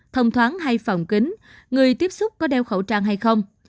thông thoáng hay phòng kính người tiếp xúc có đeo khẩu trang hay không